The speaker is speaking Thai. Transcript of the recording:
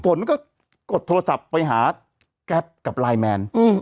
ฝนก็กดโทรศัพท์ไปหาแก๊ปกับไลน์แมน